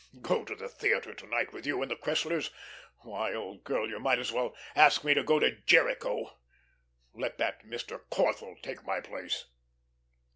Go to the theatre to night with you and the Cresslers? Why, old girl, you might as well ask me to go to Jericho. Let that Mr. Corthell take my place."